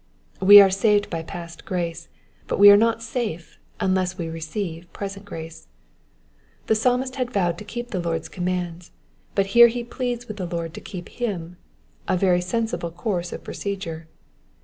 "We are saved by past grace, but we are not safe unless we receive present grace. The Psalmist had vowed to keep the Lord's commands, but here be pleads with the Lord to keep him : a very sensible course of procedure.